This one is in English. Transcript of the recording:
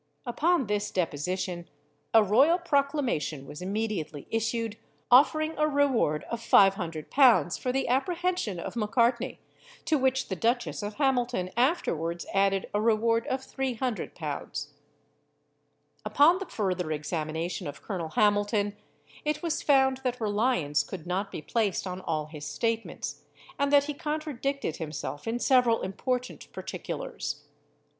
Upon this deposition, a royal proclamation was immediately issued, offering a reward of 500l. for the apprehension of Macartney, to which the Duchess of Hamilton afterwards added a reward of 300l. Upon the further examination of Colonel Hamilton, it was found that reliance could not be placed on all his statements, and that he contradicted himself in several important particulars.